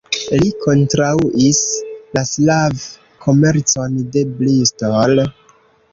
Li kontraŭis la sklav-komercon de Bristol.